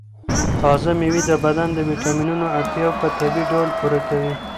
تازه مېوې د بدن د ویټامینونو اړتیا په طبیعي ډول پوره کوي.